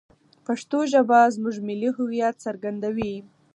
پښتو ژبه زموږ ملي هویت څرګندوي.